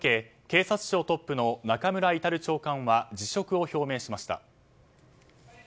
警察庁トップの中村格長官は辞職を表明しました。